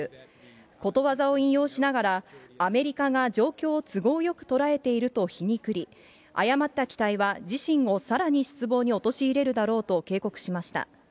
ことわざを引用しながら、アメリカが状況を都合よく捉えていると皮肉り、誤った期待は自身をさらに失望に陥れるだろうと警告しました。